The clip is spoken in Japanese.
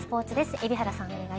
海老原さん